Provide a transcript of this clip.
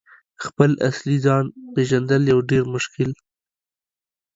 » خپل اصلي ځان « پیژندل یو ډیر مشکل